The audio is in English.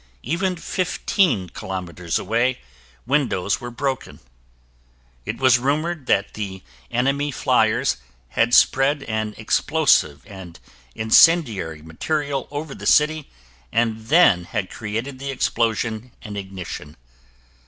Even fifteen kilometers away, windows were broken. It was rumored that the enemy fliers had spread an explosive and incendiary material over the city and then had created the explosion and ignition.